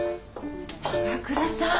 長倉さん。